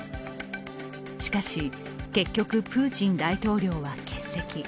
しかし結局プーチン大統領は欠席。